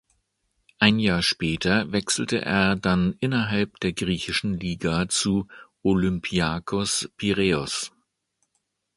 Ein Jahr später wechselte er dann innerhalb der griechischen Liga zu Olympiakos Piräus.